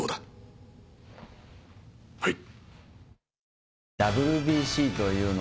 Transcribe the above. はい。